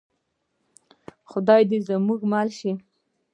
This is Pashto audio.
خدای دې زموږ مل شي